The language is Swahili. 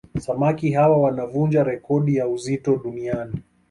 Samaki hawa wanavunja rekodi ya uzito duniani